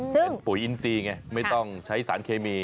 เป็นปุ๋ยอินซีไงไม่ต้องใช้สารเคมี